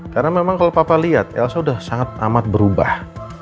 karena memang kalau papa lihat elsa udah sangat amat berubah